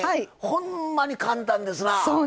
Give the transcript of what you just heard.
ほんまに簡単ですな！